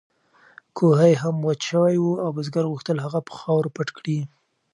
کوهی هم وچ شوی و او بزګر غوښتل هغه په خاورو پټ کړي.